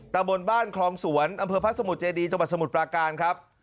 ตามบนบ้านคลองสวนอำเภอพระสมุดเจดีจบัตรสมุดประการครับ